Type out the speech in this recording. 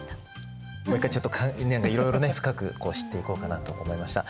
もう一回ちょっと何かいろいろね深く知っていこうかなと思いました。